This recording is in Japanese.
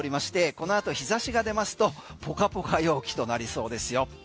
このあと日差しが出ますとポカポカ陽気となりそうですよ。